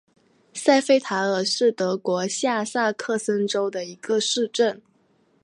塞费塔尔是德国下萨克森州的一个市镇。